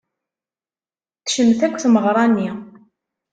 Tecmet akk tmeɣra-nni.